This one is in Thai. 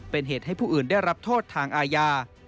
เป็นเหตุให้ผู้อื่นได้รับโทษทางอาญา